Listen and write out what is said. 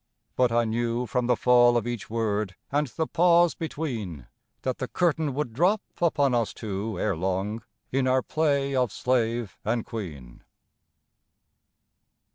But I knew From the fall of each word, and the pause between, That the curtain would drop upon us two Ere long, in our play of slave and queen.